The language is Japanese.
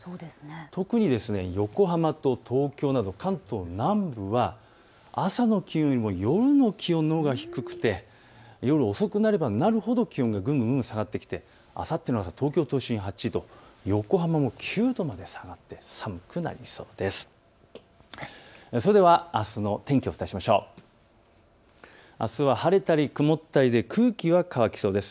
特に横浜と東京など関東南部は朝の気温よりも夜の気温のほうが低くて夜遅くなればなるほど気温がぐんぐん下がってきてあさって東京都心８度、横浜も９度まで下がって寒くなりそうです。